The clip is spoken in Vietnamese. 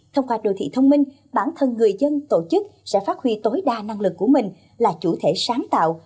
thông qua đô thị thông minh bản thân người dân tổ chức sẽ phát huy tối đa năng lực của mình là chủ thể sáng tạo